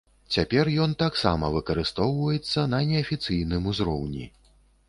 Цяпер ён таксама выкарыстоўваецца на неафіцыйным узроўні.